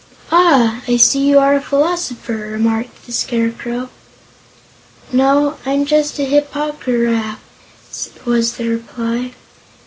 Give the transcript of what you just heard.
"Ah, I see you are a philosopher," remarked the Scarecrow. "No, I'm just a Hip po gy raf," was the reply.